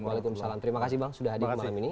waalaikumsalam terima kasih bang sudah hadir malam ini